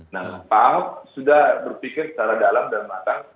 nah pak ahok sudah berpikir secara dalam dan matang